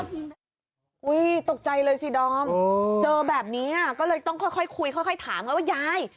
ตกใจเลยสิดอมเจอแบบนี้ก็เลยต้องค่อยคุยค่อยถามกันว่ายาย